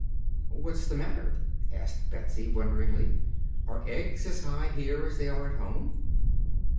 "What's the matter?" asked Betsy wonderingly. "Are eggs as high here as they are at home?"